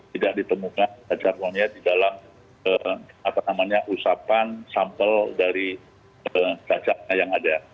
tidak ditemukan cacar monyet di dalam usapan sampel dari cacatnya yang ada